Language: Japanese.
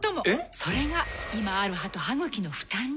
それが今ある歯と歯ぐきの負担に。